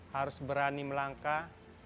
harus berani melangkah